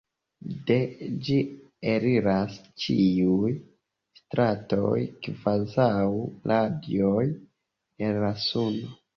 De ĝi eliras ĉiuj stratoj kvazaŭ radioj el la suno.